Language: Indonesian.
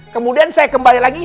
kemudian saya kembali lagi